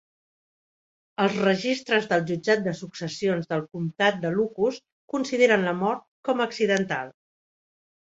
Els registres del jutjat de successions del comtat de Lucus consideren la mort com accidental.